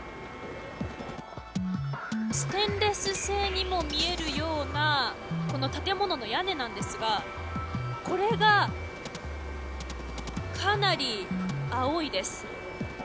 ステンレス製にも見えるような建物の屋根なんですがこれがかなり青いです。